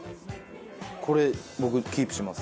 これ僕キープします。